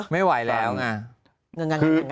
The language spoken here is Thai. ไม่ไหวแล้วมะอย่างนั้น